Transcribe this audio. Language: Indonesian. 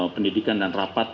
pendidikan dan rapat